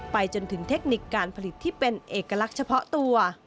ไปจนถึงเทคนิคการผลิตที่เป็นเอกลักษณ์เฉพาะตัว